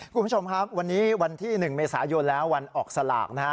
คุณผู้ชมครับวันนี้วันที่๑เมษายนแล้ววันออกสลากนะฮะ